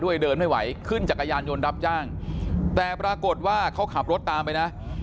เดินไม่ไหวขึ้นจักรยานยนต์รับจ้างแต่ปรากฏว่าเขาขับรถตามไปนะ